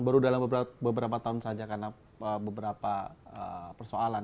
baru dalam beberapa tahun saja karena beberapa persoalan